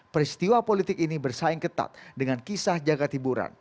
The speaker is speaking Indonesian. peristiwa politik ini bersaing ketat dengan kisah jaga tiburan